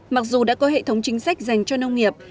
mặc dù đã có hệ thống chính sách dành cho nông nghiệp